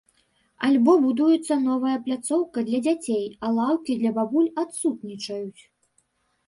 Альбо будуецца новая пляцоўка для дзяцей, а лаўкі для бабуль адсутнічаюць.